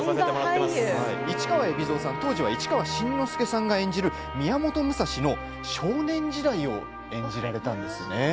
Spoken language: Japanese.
市川海老蔵さん、当時は市川新之助さんが演じる宮本武蔵の少年時代を演じられたんですね。